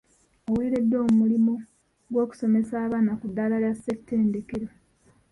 Oweereddwa omulimu gw'okusomesa abaana ku ddaala lya ssettedekero.